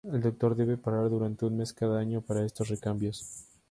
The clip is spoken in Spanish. El reactor debe parar durante un mes cada año para estos recambios.